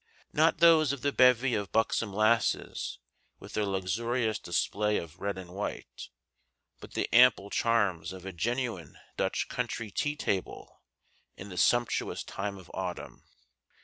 Not those of the bevy of buxom lasses with their luxurious display of red and white, but the ample charms of a genuine Dutch country tea table in the sumptuous time of autumn.